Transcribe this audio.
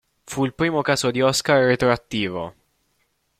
Fu il primo caso di Oscar retroattivo.